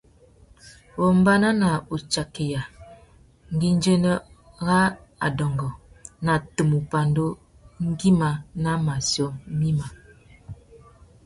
Wombāna na utsakeya ngüidjiménô râ adôngô na tumu pandú ngüima na matiō mïmá.